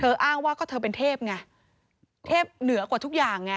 อ้างว่าก็เธอเป็นเทพไงเทพเหนือกว่าทุกอย่างไง